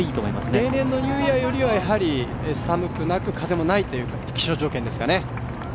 例年のニューイヤーよりは寒くなく、風もない気象条件ですかね